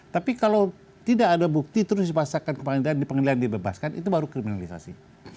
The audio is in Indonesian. tapi kalau tidak ada bukti terus diproseskan ke pengadilan dibebaskan itu baru kriminalisasi